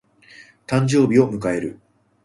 誕生日を迎える。